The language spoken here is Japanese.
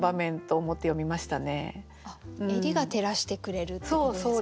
あっ襟が照らしてくれるってことですか？